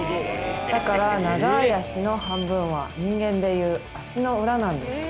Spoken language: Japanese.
だから、長い足の半分は人間でいう足の裏なんです。